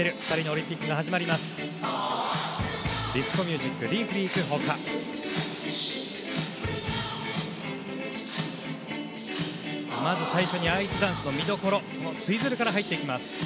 ２人のオリンピックが始まります。